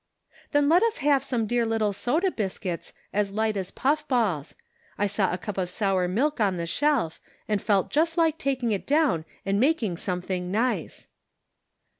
" Then let us have some dear little soda bis cuits, as light as puff balls ; I saw a cup of sour milk on the shelf, and felt just like taking it down and making something nice."